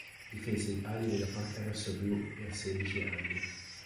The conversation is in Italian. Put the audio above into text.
Difese i pali della porta rossoblù per sedici anni.